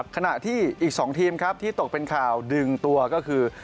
ขณะที่อีก๒ทีมครับที่ตกเป็นข่าวดึงตัวก็คือ